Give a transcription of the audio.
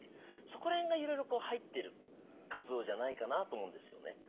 そこら辺がいろいろ入ってる活動じゃないかなと思うんですよね。